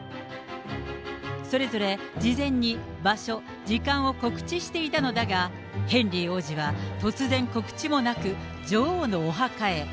それぞれ事前に場所、時間を告知していたのだが、ヘンリー王子は突然、告知もなく、女王のお墓へ。